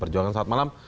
perjuangan selamat malam